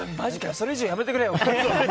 それ以上やめてくれよ！